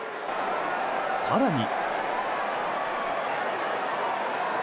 更に。